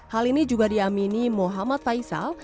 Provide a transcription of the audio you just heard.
hal ini juga diamini muhammad faisal